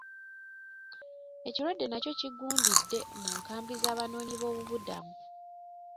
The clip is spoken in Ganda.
Ekirwadde nakyo kigundidde mu nkambi z'abanoonyi b'obubuddamu.